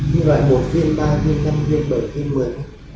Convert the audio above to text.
nhiều loại một viên ba viên năm viên bảy viên một mươi viên